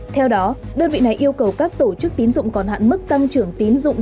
theo đó đơn vị này yêu cầu các tổ chức tín dụng còn hạn mức tăng trưởng tín dụng